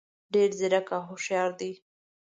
ډېر ځیرک او هوښیار دي.